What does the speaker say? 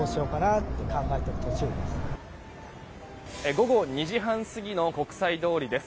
午後２時半過ぎの国際通りです。